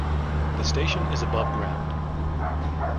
The station is above ground.